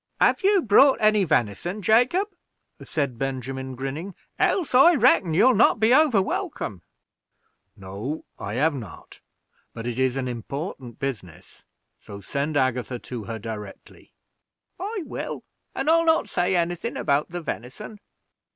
"Have you brought any venison, Jacob?" said Benjamin, grinning, "else, I reckon, you'll not be over welcome." "No, I have not; but it is an important business, so send Agatha to her directly." "I will; and I'll not say any thing about the venison."